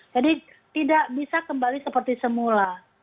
jadi tidak bisa kembali seperti semula